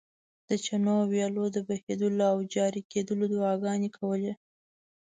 د چینو او ویالو د بهېدلو او جاري کېدلو دعاګانې کولې.